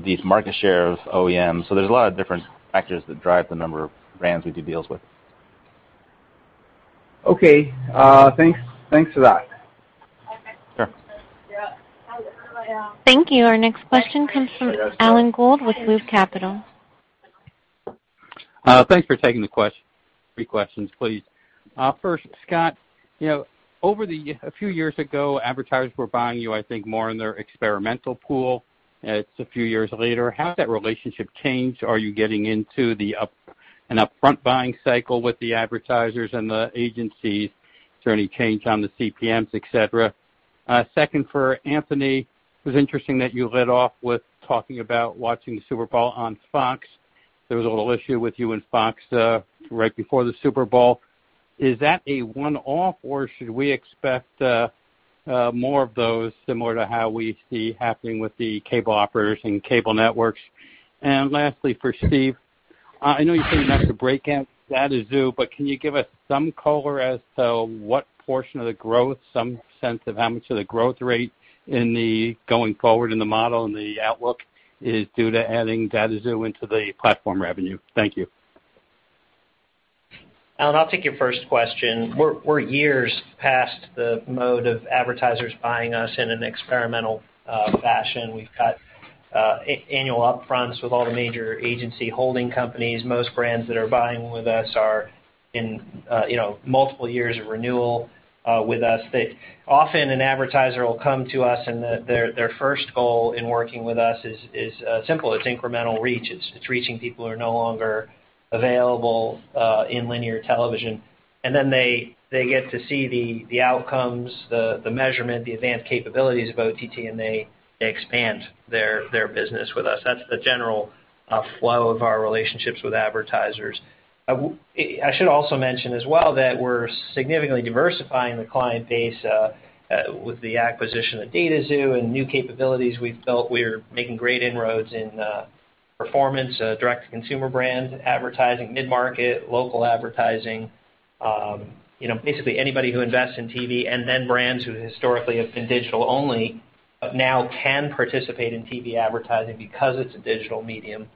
deep market shares, OEMs. There's a lot of different factors that drive the number of brands we do deals with. Okay. Thanks for that. Sure. Thank you. Our next question comes from Alan Gould with Loop Capital. Thanks for taking the questions. Three questions, please. First, Scott, a few years ago, advertisers were buying you, I think, more in their experimental pool. It's a few years later. How has that relationship changed? Are you getting into an upfront buying cycle with the advertisers and the agencies? Is there any change on the CPMs, et cetera? Second, for Anthony, it was interesting that you led off with talking about watching the Super Bowl on Fox. There was a little issue with you and Fox right before the Super Bowl. Is that a one-off, or should we expect more of those, similar to how we see happening with the cable operators and cable networks? Lastly, for Steve, I know you said you're not going to break out DataXu, but can you give us some color as to what portion of the growth, some sense of how much of the growth rate going forward in the model and the outlook is due to adding DataXu into the platform revenue? Thank you. Alan, I'll take your first question. We're years past the mode of advertisers buying us in an experimental fashion. We've got annual upfronts with all the major agency holding companies. Most brands that are buying with us are in multiple years of renewal with us. Often an advertiser will come to us. Their first goal in working with us is simple. It's incremental reach. It's reaching people who are no longer available in linear television. They get to see the outcomes, the measurement, the advanced capabilities of OTT, and they expand their business with us. That's the general flow of our relationships with advertisers. I should also mention as well that we're significantly diversifying the client base with the acquisition of DataXu and new capabilities we've built. We're making great inroads in performance, direct-to-consumer brands, advertising, mid-market, local advertising. Basically anybody who invests in TV, brands who historically have been digital only, but now can participate in TV advertising because it's a digital medium,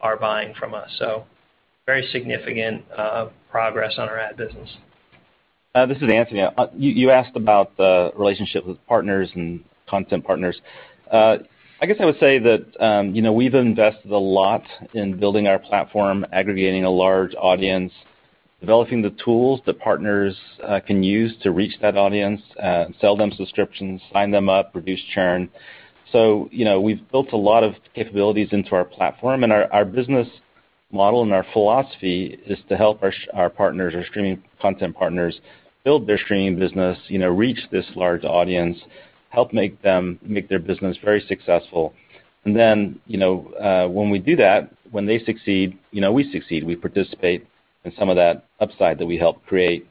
are buying from us. Very significant progress on our ad business. This is Anthony. You asked about the relationship with partners and content partners. I guess I would say that we've invested a lot in building our platform, aggregating a large audience, developing the tools that partners can use to reach that audience, sell them subscriptions, sign them up, reduce churn. We've built a lot of capabilities into our platform, our business model and our philosophy is to help our partners, our streaming content partners, build their streaming business, reach this large audience, help make their business very successful. When we do that, when they succeed, we succeed. We participate in some of that upside that we help create.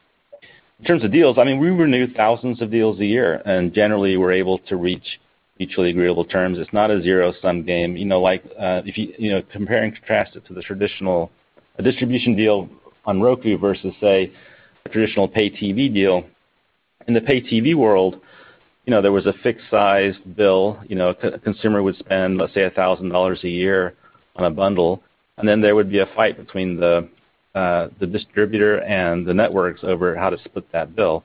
In terms of deals, we renew thousands of deals a year, and generally, we're able to reach mutually agreeable terms. It's not a zero-sum game. Compare and contrast it to the traditional distribution deal on Roku versus, say, a traditional pay TV deal. In the pay TV world, there was a fixed size bill. A consumer would spend, let's say, $1,000 a year on a bundle, and then there would be a fight between the distributor and the networks over how to split that bill.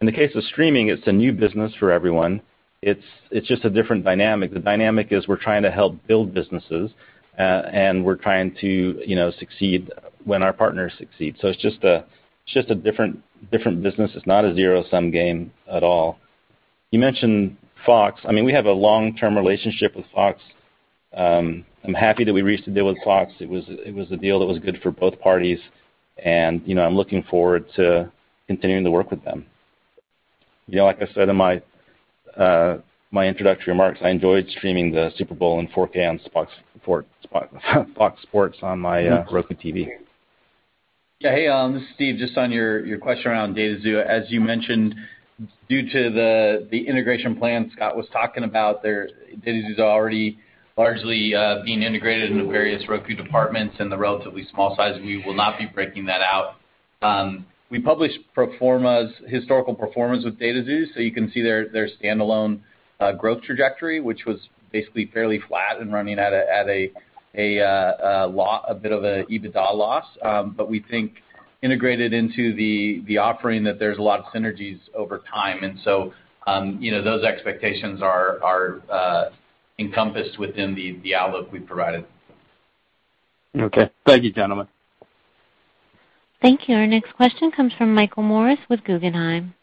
In the case of streaming, it's a new business for everyone. It's just a different dynamic. The dynamic is we're trying to help build businesses, and we're trying to succeed when our partners succeed. It's just a different business. It's not a zero-sum game at all. You mentioned Fox. We have a long-term relationship with Fox. I'm happy that we reached the deal with Fox. It was a deal that was good for both parties, and I'm looking forward to continuing to work with them. Like I said in my introductory remarks, I enjoyed streaming the Super Bowl in 4K on Fox Sports on my Roku TV. Hey, this is Steve. Just on your question around DataXu, as you mentioned, due to the integration plan Scott was talking about, DataXu is already largely being integrated into various Roku departments and the relatively small size. We will not be breaking that out. We published historical performance with DataXu, so you can see their standalone growth trajectory, which was basically fairly flat and running at a bit of a EBITDA loss. We think integrated into the offering that there's a lot of synergies over time. Those expectations are encompassed within the outlook we've provided. Okay. Thank you, gentlemen. Thank you. Our next question comes from Michael Morris with Guggenheim.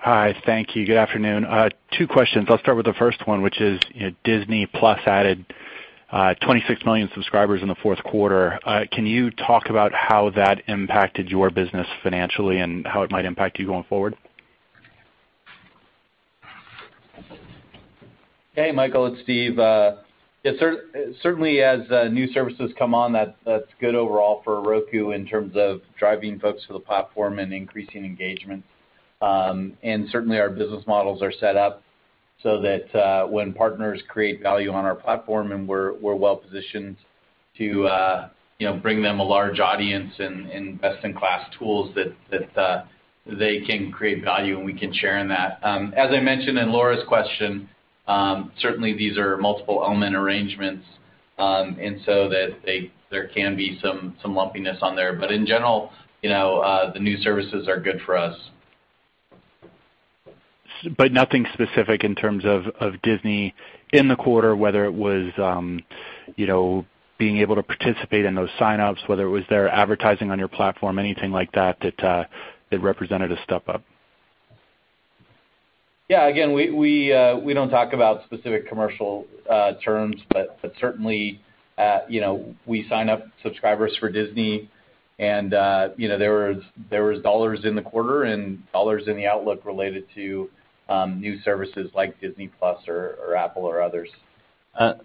Hi. Thank you. Good afternoon. Two questions. I'll start with the first one, which is Disney+ added 26 million subscribers in the fourth quarter. Can you talk about how that impacted your business financially and how it might impact you going forward? Hey, Michael, it's Steve. Certainly, as new services come on, that's good overall for Roku in terms of driving folks to the platform and increasing engagement. Certainly, our business models are set up so that when partners create value on our platform and we're well-positioned to bring them a large audience and best-in-class tools that they can create value and we can share in that. As I mentioned in Laura's question, certainly these are multiple element arrangements. There can be some lumpiness on there. In general, the new services are good for us. Nothing specific in terms of Disney in the quarter, whether it was being able to participate in those sign-ups, whether it was their advertising on your platform, anything like that represented a step up. Yeah. Again, we don't talk about specific commercial terms, but certainly, we sign up subscribers for Disney, and there was dollars in the quarter and dollars in the outlook related to new services like Disney+ or Apple or others.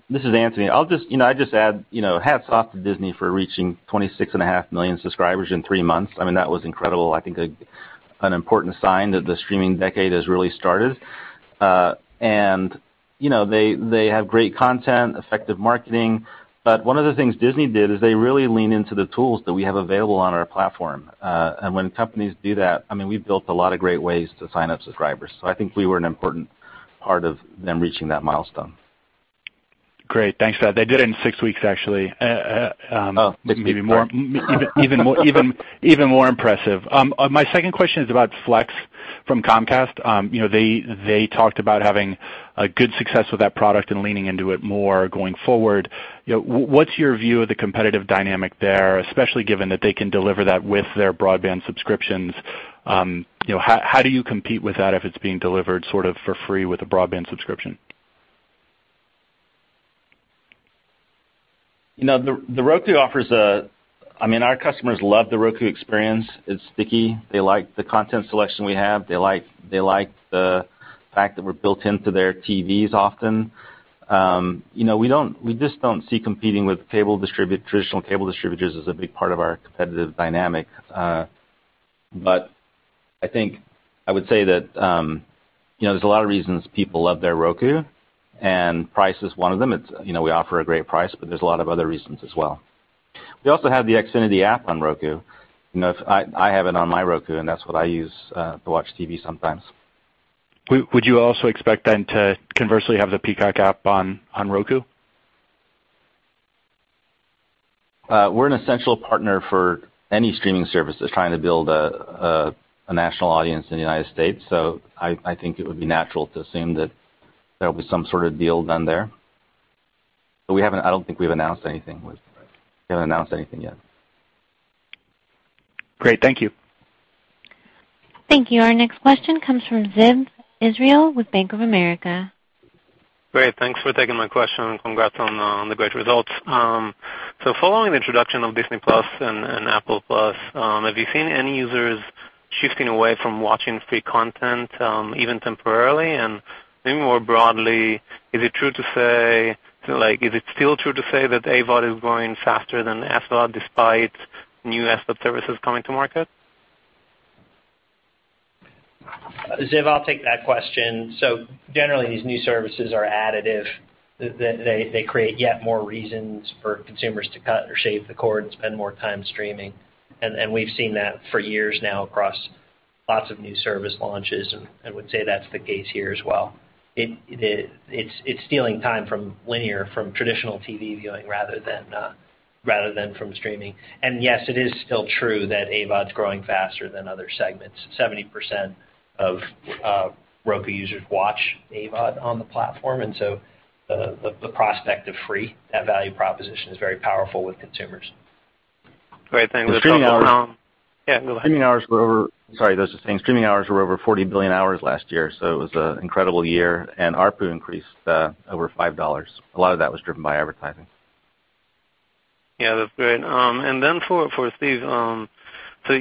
This is Anthony. I'll just add, hats off to Disney for reaching 26.5 million subscribers in three months. That was incredible. I think an important sign that the streaming decade has really started. They have great content, effective marketing. One of the things Disney did is they really lean into the tools that we have available on our platform. When companies do that, we've built a lot of great ways to sign up subscribers. I think we were an important part of them reaching that milestone. Great. Thanks for that. They did it in six weeks, actually. Oh, six weeks. Sorry. Maybe even more impressive. My second question is about Flex from Comcast. They talked about having a good success with that product and leaning into it more going forward. What's your view of the competitive dynamic there, especially given that they can deliver that with their broadband subscriptions? How do you compete with that if it's being delivered sort of for free with a broadband subscription? Our customers love the Roku experience. It's sticky. They like the content selection we have. They like the fact that we're built into their TVs often. We just don't see competing with traditional cable distributors as a big part of our competitive dynamic. I think I would say that there's a lot of reasons people love their Roku, and price is one of them. We offer a great price, there's a lot of other reasons as well. We also have the Xfinity app on Roku. I have it on my Roku, and that's what I use to watch TV sometimes. Would you also expect, then, to conversely have the Peacock app on Roku? We're an essential partner for any streaming services trying to build a national audience in the United States. I think it would be natural to assume that there'll be some sort of deal done there. We haven't announced anything yet. Great. Thank you. Thank you. Our next question comes from Ziv Israel with Bank of America. Great. Thanks for taking my question, congrats on the great results. Following the introduction of Disney+ and Apple TV+, have you seen any users shifting away from watching free content, even temporarily? Maybe more broadly, is it still true to say that AVOD is growing faster than SVOD despite new SVOD services coming to market? Ziv, I'll take that question. Generally, these new services are additive. They create yet more reasons for consumers to cut or shave the cord and spend more time streaming. We've seen that for years now across lots of new service launches, and I would say that's the case here as well. It's stealing time from linear, from traditional TV viewing rather than from streaming. Yes, it is still true that AVOD is growing faster than other segments. 70% of Roku users watch AVOD on the platform, the prospect of free, that value proposition is very powerful with consumers. Great. Thanks. The streaming hours- Yeah, go ahead Streaming hours were over 40 billion hours last year. It was an incredible year. ARPU increased over $5. A lot of that was driven by advertising. Yeah, that's great. For Steve,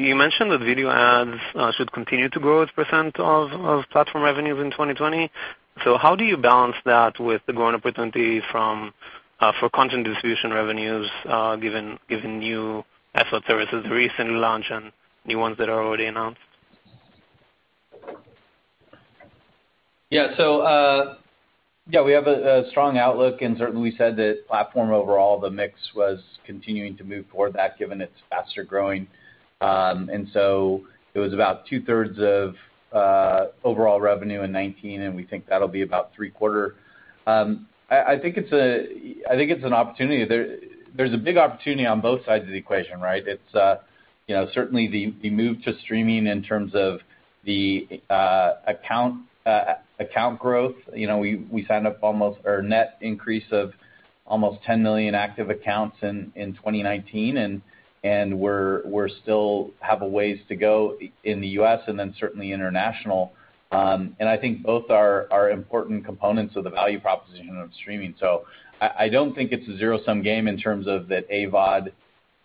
you mentioned that video ads should continue to grow as a % of platform revenues in 2020. How do you balance that with the growing opportunity for content distribution revenues, given new SVOD services recently launched and new ones that are already announced? Yeah. We have a strong outlook. Certainly we said that platform overall, the mix was continuing to move for that given it's faster growing. It was about two-thirds of overall revenue in 2019. We think that'll be about three-quarter. I think it's an opportunity. There's a big opportunity on both sides of the equation, right? It's certainly the move to streaming in terms of the account growth. We signed up almost or net increase of almost 10 million active accounts in 2019. We still have a ways to go in the U.S. and then certainly international. I think both are important components of the value proposition of streaming. I don't think it's a zero-sum game in terms of that AVOD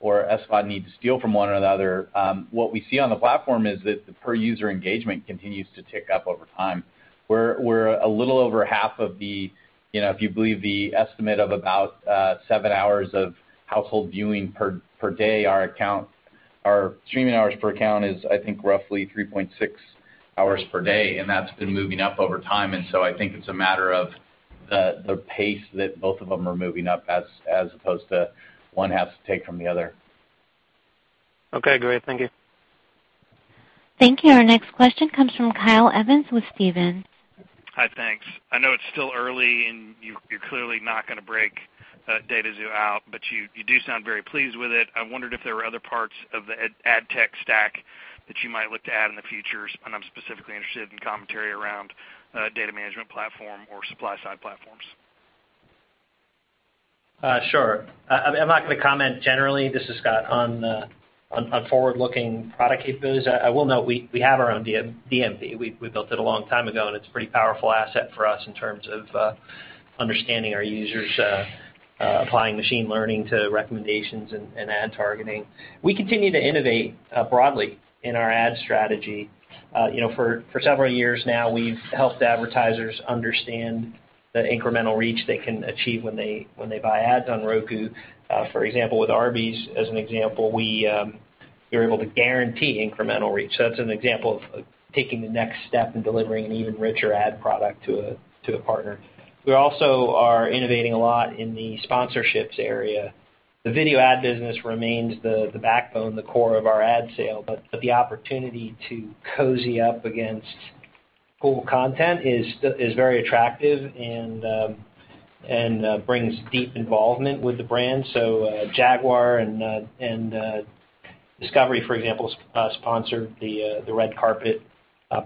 or SVOD need to steal from one or the other. What we see on the platform is that the per-user engagement continues to tick up over time, where a little over half. If you believe the estimate of about seven hours of household viewing per day, our streaming hours per account is, I think, roughly 3.6 hours per day, and that's been moving up over time. I think it's a matter of the pace that both of them are moving up as opposed to one has to take from the other. Okay, great. Thank you. Thank you. Our next question comes from Kyle Evans with Stephens. Hi, thanks. I know it's still early and you're clearly not going to break DataXu out, but you do sound very pleased with it. I wondered if there were other parts of the ad tech stack that you might look to add in the future, and I'm specifically interested in commentary around data management platform or supply side platforms. Sure. I'm not going to comment generally, this is Scott, on forward-looking product capabilities. I will note we have our own DMP. We built it a long time ago, and it's a pretty powerful asset for us in terms of understanding our users, applying machine learning to recommendations and ad targeting. We continue to innovate broadly in our ad strategy. For several years now, we've helped advertisers understand the incremental reach they can achieve when they buy ads on Roku. For example, with Arby's as an example, we were able to guarantee incremental reach. That's an example of taking the next step and delivering an even richer ad product to a partner. We also are innovating a lot in the sponsorships area. The video ad business remains the backbone, the core of our ad sale. The opportunity to cozy up against full content is very attractive and brings deep involvement with the brand. Jaguar and Discovery, for example, sponsored the Red Carpet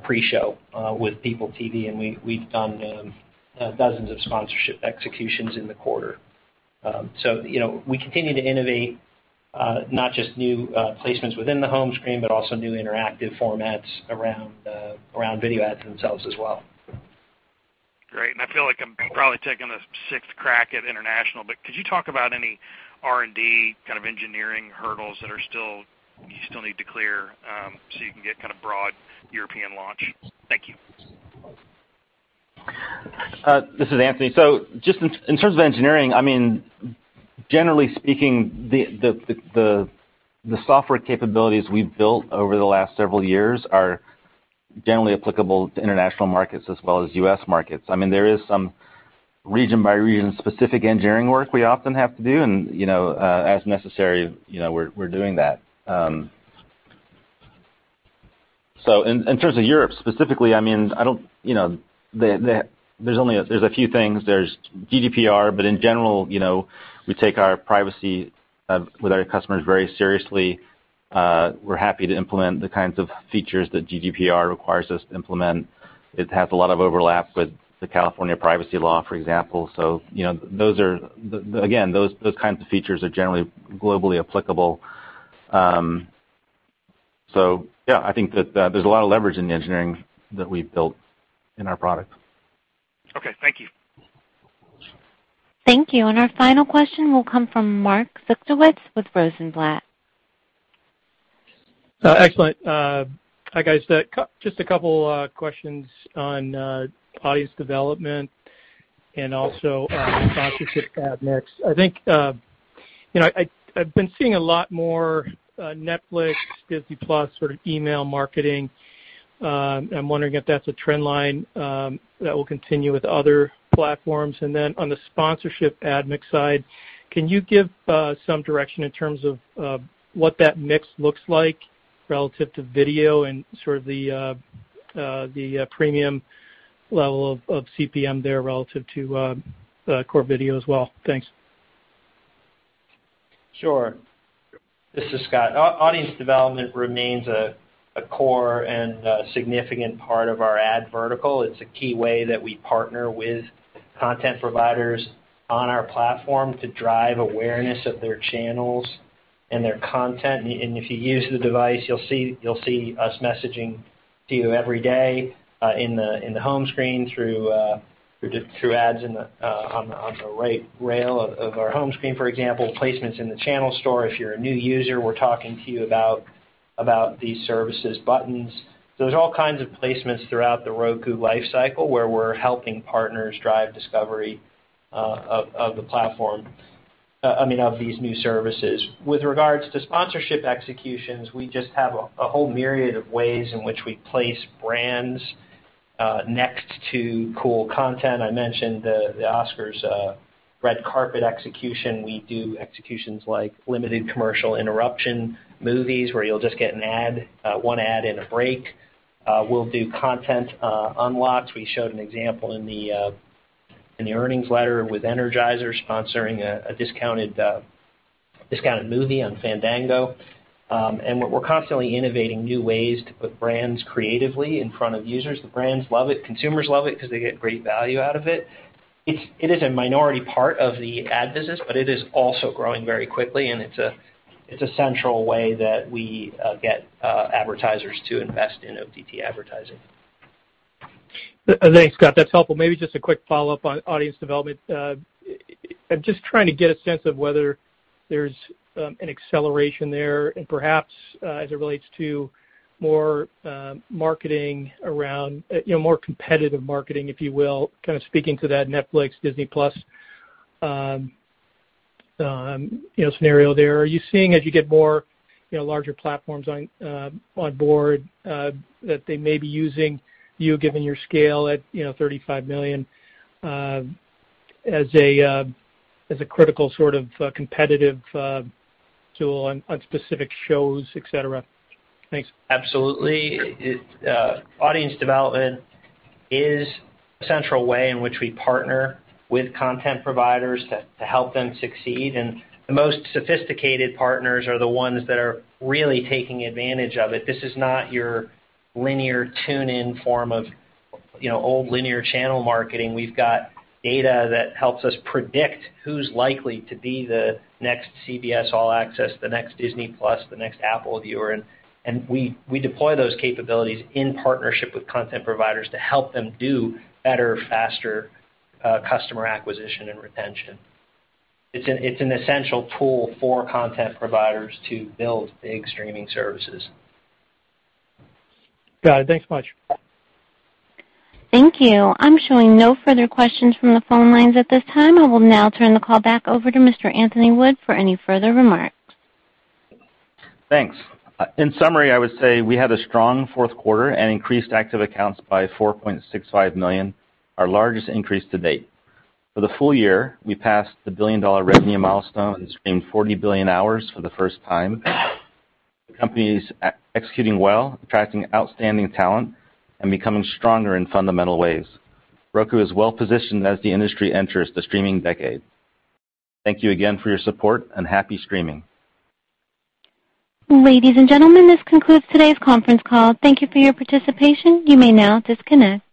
pre-show with People TV, and we've done dozens of sponsorship executions in the quarter. We continue to innovate not just new placements within the home screen, but also new interactive formats around video ads themselves as well. Great. I feel like I'm probably taking the sixth crack at international, could you talk about any R&D kind of engineering hurdles that you still need to clear so you can get kind of broad European launch? Thank you. This is Anthony. Just in terms of engineering, generally speaking, the software capabilities we've built over the last several years are generally applicable to international markets as well as U.S. markets. There is some region-by-region specific engineering work we often have to do and, as necessary, we're doing that. In terms of Europe specifically, there's a few things. There's GDPR. In general, we take our privacy with our customers very seriously. We're happy to implement the kinds of features that GDPR requires us to implement. It has a lot of overlap with the California Privacy Law, for example. Again, those kinds of features are generally globally applicable. I think that there's a lot of leverage in the engineering that we've built in our product. Okay. Thank you. Thank you. Our final question will come from Mark Zgutowicz with Rosenblatt. Excellent. Hi, guys. Just a couple questions on audience development and also sponsorship ad mix. I've been seeing a lot more Netflix, Disney+ sort of email marketing. I'm wondering if that's a trend line that will continue with other platforms. On the sponsorship ad mix side, can you give some direction in terms of what that mix looks like relative to video and sort of the premium level of CPM there relative to core video as well? Thanks. Sure. This is Scott. Audience development remains a A core and a significant part of our ad vertical. It's a key way that we partner with content providers on our platform to drive awareness of their channels and their content. If you use the device, you'll see us messaging to you every day, in the home screen through ads on the right rail of our home screen, for example, placements in the Channel Store. If you're a new user, we're talking to you about these services buttons. There's all kinds of placements throughout the Roku life cycle, where we're helping partners drive discovery of these new services. With regards to sponsorship executions, we just have a whole myriad of ways in which we place brands next to cool content. I mentioned the Oscars Red Carpet Execution. We do executions like limited commercial interruption movies, where you'll just get one ad and a break. We'll do content unlocks. We showed an example in the earnings letter with Energizer sponsoring a discounted movie on Fandango. We're constantly innovating new ways to put brands creatively in front of users. The brands love it. Consumers love it because they get great value out of it. It is a minority part of the ad business, but it is also growing very quickly, and it's a central way that we get advertisers to invest in OTT advertising. Thanks, Scott. That's helpful. Maybe just a quick follow-up on audience development. I'm just trying to get a sense of whether there's an acceleration there and perhaps, as it relates to more competitive marketing, if you will, kind of speaking to that Netflix, Disney+ scenario there. Are you seeing as you get more larger platforms on board, that they may be using you, given your scale at $35 million, as a critical sort of competitive tool on specific shows, et cetera? Thanks. Absolutely. Audience development is a central way in which we partner with content providers to help them succeed, and the most sophisticated partners are the ones that are really taking advantage of it. This is not your linear tune-in form of old linear channel marketing. We've got data that helps us predict who's likely to be the next CBS All Access, the next Disney+, the next Apple viewer, and we deploy those capabilities in partnership with content providers to help them do better, faster customer acquisition and retention. It's an essential tool for content providers to build big streaming services. Got it. Thanks much. Thank you. I'm showing no further questions from the phone lines at this time. I will now turn the call back over to Mr. Anthony Wood for any further remarks. Thanks. In summary, I would say we had a strong fourth quarter and increased active accounts by 4.65 million, our largest increase to date. For the full year, we passed the billion-dollar revenue milestone and streamed 40 billion hours for the first time. The company is executing well, attracting outstanding talent, and becoming stronger in fundamental ways. Roku is well-positioned as the industry enters the streaming decade. Thank you again for your support and happy streaming. Ladies and gentlemen, this concludes today's conference call. Thank you for your participation. You may now disconnect.